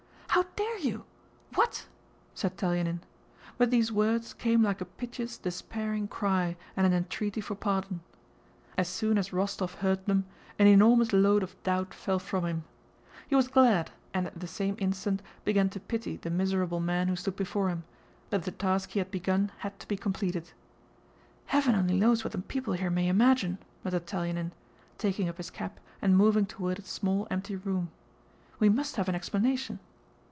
How dare you? What?" said Telyánin. But these words came like a piteous, despairing cry and an entreaty for pardon. As soon as Rostóv heard them, an enormous load of doubt fell from him. He was glad, and at the same instant began to pity the miserable man who stood before him, but the task he had begun had to be completed. "Heaven only knows what the people here may imagine," muttered Telyánin, taking up his cap and moving toward a small empty room. "We must have an explanation..."